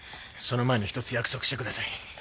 その前に一つ約束してください。